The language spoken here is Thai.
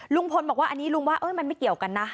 ลุงพลบอกว่าอันนี้ลุงว่ามันไม่เกี่ยวกันนะ